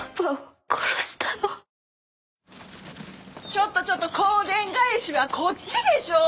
ちょっとちょっと香典返しはこっちでしょ。